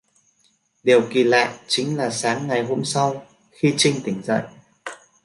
Điều kỳ lạ chính là sáng ngày hôm sau khi trinh tỉnh dậy